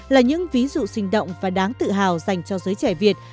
là những ví dụ sinh động và đáng tự hào dành cho giới trẻ việt